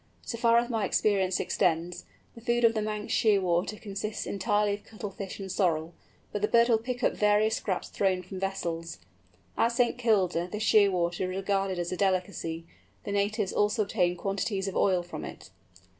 So far as my experience extends, the food of the Manx Shearwater consists entirely of cuttle fish and sorrel, but the bird will pick up various scraps thrown from vessels. At St. Kilda this Shearwater is regarded as a delicacy. The natives also obtain quantities of oil from it.